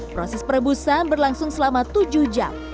proses perebusan berlangsung selama tujuh jam